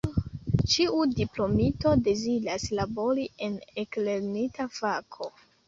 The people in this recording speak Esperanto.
Ĉiu diplomito deziras labori en la eklernita fako.